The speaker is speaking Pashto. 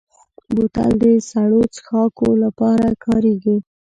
بوتل د سړو څښاکو لپاره کارېږي.